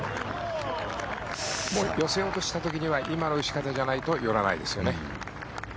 寄せようとした時には今の打ち方じゃないと寄らないですよね。